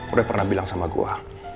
udah pernah bilang sama gue